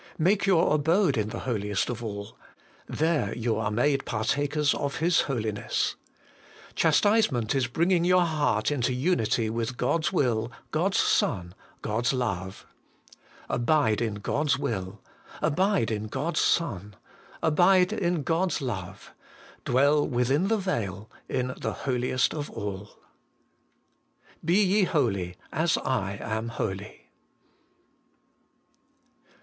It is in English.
Make your abode in the Holiest of all: there you are made partakers of His Holiness. Chastisement is bringing your heart into unity with God's Will, God's Son, God's Love. Abide in God's Will. Abide in God's Son. Abide in God's Love. Dwell, within the veil, in the Holiest of all BE YE HOLY, AS I AM HOLY.